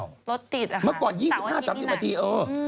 ลดติดค่ะแต่วันที่ดิน่ะเมื่อก่อน๒๕๓๐นาทีเออ